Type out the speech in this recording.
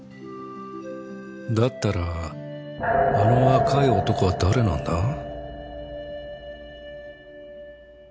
だったらあの若い男は誰なんだ？